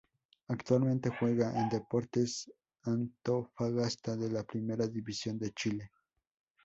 Actualmente juega en Deportes Antofagasta de la Primera División de Chile.